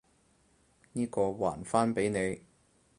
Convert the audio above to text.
呢個，還返畀你！